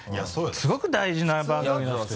すごく大事な番組だって。